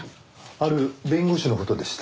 ある弁護士の事でした。